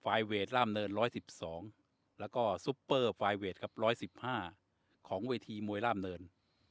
เวทร่ามเนิน๑๑๒แล้วก็ซุปเปอร์ไฟล์เวทครับ๑๑๕ของเวทีมวยล่ามเนิน